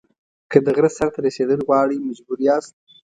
که د غره سر ته رسېدل غواړئ مجبور یاست.